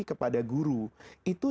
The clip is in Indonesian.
kepada guru itu